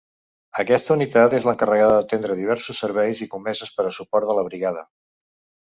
Aquesta Unitat és l'encarregada d'atendre diversos serveis i comeses per a suport de la Brigada.